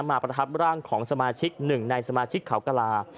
ประทับร่างของสมาชิกหนึ่งในสมาชิกเขากลา